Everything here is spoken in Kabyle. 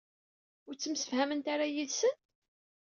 Ur ttemsefhament ara yid-sen?